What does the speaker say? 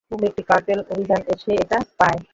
হুম, একটি কার্টেল অভিযানে সে এটা পায়।